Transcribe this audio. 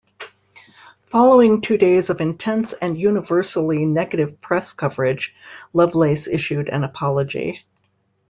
Following two days of intense and universally negative press coverage, Lovelace issued an apology.